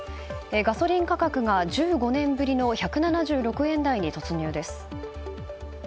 ガソリン価格が１５年ぶりの１７６円台に突入です。